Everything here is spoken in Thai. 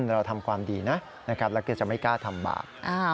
เราทำความดีนะแล้วก็จะไม่กล้าทำบาป